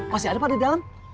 masih ada pak di dalam